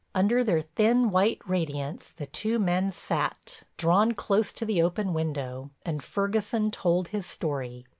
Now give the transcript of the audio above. Under their thin, white radiance, the two men sat, drawn close to the open window, and Ferguson told his story.